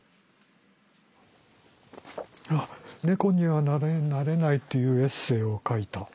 あっ「猫にはなれない」というエッセイを書いた。